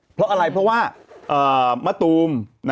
เพราะอะไรเพราะว่ามะตูม